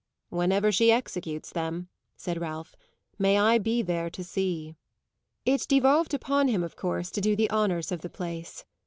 "Whenever she executes them," said Ralph, "may I be there to see!" It devolved upon him of course to do the honours of the place.